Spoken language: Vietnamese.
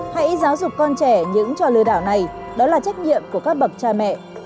hãy giáo dục con trẻ những trò lừa đảo này đó là trách nhiệm của các bậc cha mẹ